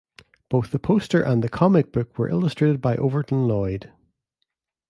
Both the poster and the comic book were illustrated by Overton Loyd.